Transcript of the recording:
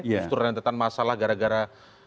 justru rentetan masalah gara gara